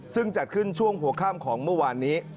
ซึ่งจัดขึ้นช่วงหัวข้ามของเมื่อวานนี้